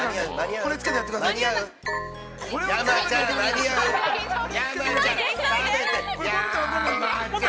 これつけてやってくださいって。